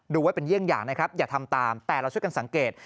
ไว้เป็นเยี่ยงอย่างนะครับอย่าทำตามแต่เราช่วยกันสังเกต